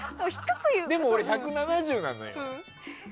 でも、俺１７０なのよ。